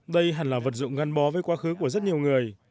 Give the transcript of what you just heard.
đây hẳn là vật dụng gắn bó với quá khứ của rất nhiều người